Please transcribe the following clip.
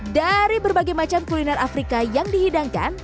dari berbagai macam kuliner afrika yang dihidangkan